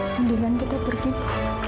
mungkin kita pergi bu